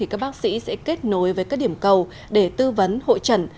các bác sĩ sẽ kết nối với các điểm cầu để tư vấn hội trần